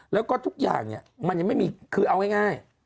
แล้วก็ทุกอย่างเนี่ยมันยังไม่มีคือเอาง่าย